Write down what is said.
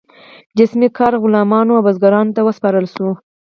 جسمي کار غلامانو او بزګرانو ته وسپارل شو.